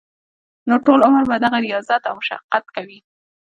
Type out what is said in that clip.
نو ټول عمر به دغه رياضت او مشقت کوي -